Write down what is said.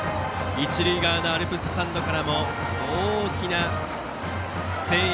一塁側のアルプススタンドからも大きな声援。